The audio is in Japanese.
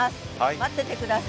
待ってて下さい。